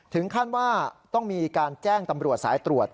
ถึงขั้นว่าต้องมีการแจ้งตำรวจสายตรวจ